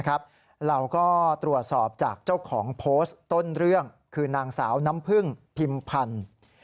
เราก็ตรวจสอบจากเจ้าของโพสต์ต้นเรื่องคือนางสาวน้ำพึ่งพิมพันธ์